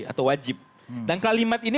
atau wajib dan kalimat ini